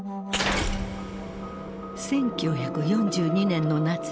１９４２年の夏